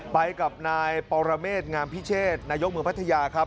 ไปกับนายปรเมษงามพิเชษนายกเมืองพัทยาครับ